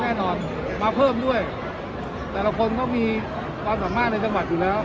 แน่นอนมาเพิ่มด้วยแต่ละคนเขามีความสามารถในจังหวัดอยู่แล้ว